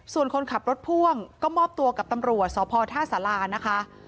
ส่วนคนขับรถพ่วงก็มอบตัวกับตำรวจสพท่าสารานะคะ